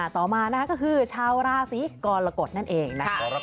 ต่อมานะคะก็คือชาวราศีกรกฎนั่นเองนะคะ